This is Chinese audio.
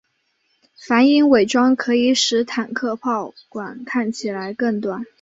反影伪装可以使坦克炮管看起来更短。